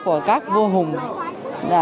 của các vua hùng